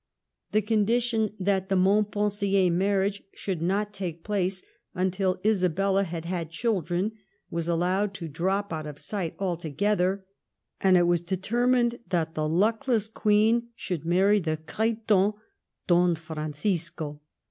The con | dition that the Montpensier marriage should not takel place until Isabella had had children was allowed to! drop out of sight altogether, and it was determined thatj the luckless Queen should marry the cretin Don Fran j cisco.